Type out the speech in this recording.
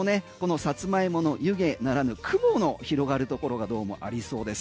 このサツマイモの湯気ならぬ雲の広がるところがどうもありそうです。